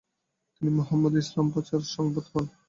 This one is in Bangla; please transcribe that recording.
তিনি মুহাম্মাদের ইসলাম প্রচারের সংবাদ পান।